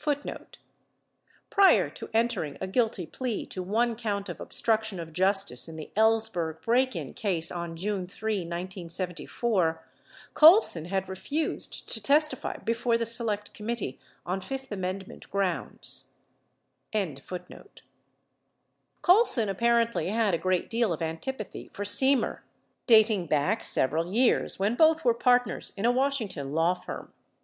20 20 Ehrlichman, 16 Hearings 7375. Prior to entering a guilty plea to one count of obstruc tion of justice in the Ellsberg break in case on June 3, 1974, Colson had refused to testify before the Select Committee on Fifth Amendment grounds. 613 Colson apparently had a great deal of antipathy for Semer, 21 dating back several years when both were partners in a Washington law firm.